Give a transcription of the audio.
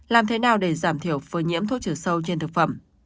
làm thế nào để giảm thiểu phơi nhiễm thuốc trừ sâu trên thực phẩm